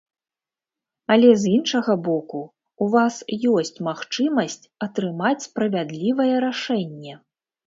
Але з іншага боку, у вас ёсць магчымасць атрымаць справядлівае рашэнне.